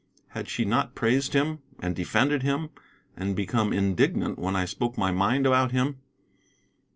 Had she not praised him, and defended him, and become indignant when I spoke my mind about him?